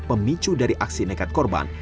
pemicu dari aksi nekat korban